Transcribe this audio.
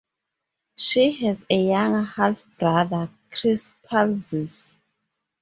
She has a younger half-brother, Chris Palzis.